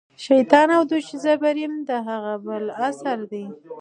شیطان او دوشیزه پریم د هغه بل اثر دی.